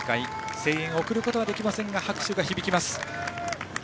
声援を送ることはできませんが拍手は響きます。